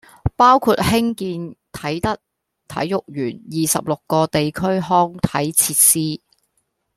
包括興建啟德體育園、二十六個地區康體設施